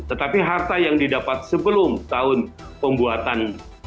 tetapi harta yang didapat sebelum tahun pembuatan